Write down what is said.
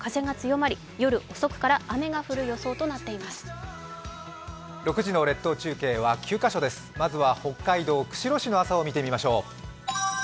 まずは北海道釧路市の朝を見てみましょう。